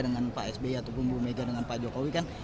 dengan pak sby ataupun bu mega dengan pak jokowi kan